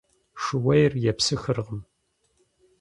Шууейр епсыхыркъым.